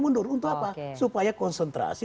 mundur untuk apa supaya konsentrasi